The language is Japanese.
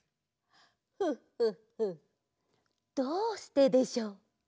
フッフッフッどうしてでしょう？